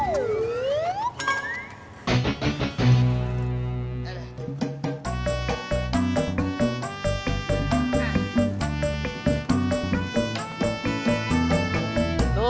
eh kelamitan lo